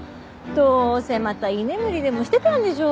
どうせまた居眠りでもしてたんでしょう？